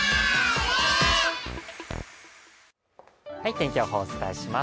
天気予報、お伝えします。